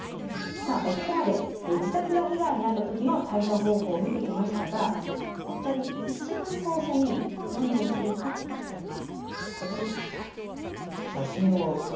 さあここまで自宅が被害にあった時の対処方法を見てきましたがお二人一番最初に何をするかって覚えてますか？